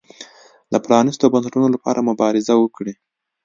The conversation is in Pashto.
د پرانیستو بنسټونو لپاره مبارزه وکړي.